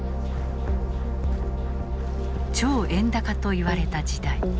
超円高といわれた時代。